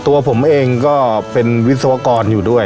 ตัวผมเองก็เป็นวิศวกรอยู่ด้วย